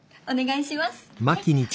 お願いします。